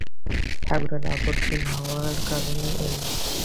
ঠাকুরের অবতীর্ণ হওয়ার কারণই এই।